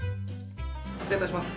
失礼いたします。